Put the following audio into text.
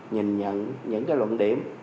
nhìn nhận những cái luận điểm